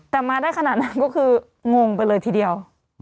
แต่มาได้ขนาดนั้นก็คืองงไปเลยทีเดียว